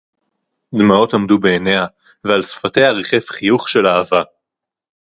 דְּמָעוֹת עָמְדוּ בְּעֵינֶיהָ וְעַל שְׂפָתֶיהָ רִחֵף חִיּוּךְ שֶׁל אַהֲבָה